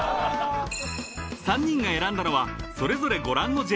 ［３人が選んだのはそれぞれご覧のジェラート］